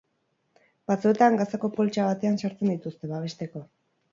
Batzuetan, gazako poltsa batean sartzen dituzte, babesteko.